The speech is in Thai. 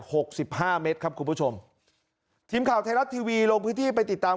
หกสิบห้าเมตรครับคุณผู้ชมทีมข่าวไทยรัฐทีวีลงพื้นที่ไปติดตาม